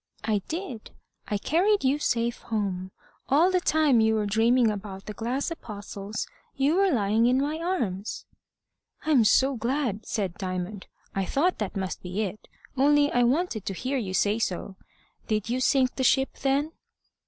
"I did. I carried you safe home. All the time you were dreaming about the glass Apostles, you were lying in my arms." "I'm so glad," said Diamond. "I thought that must be it, only I wanted to hear you say so. Did you sink the ship, then?"